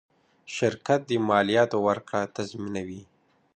شرکت د مالیاتو ورکړه تضمینوي.